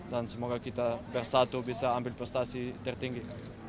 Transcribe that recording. dan semoga kita bersatu bisa ambil prestasi tertinggi